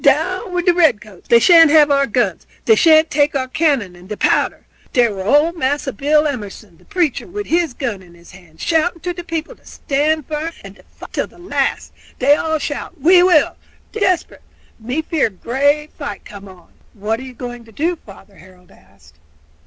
Down wid de redcoats! dey shan't have our guns; dey shan't take de cannon and de powder.' Dere were ole Massa Bill Emerson, the preacher, wid his gun in his hands, shouting to de people to stand firm and to fight till de last; dey all shout, 'We will!' Dey bery desperate; me fear great fight come on." "What are you going to do, father?" Harold asked.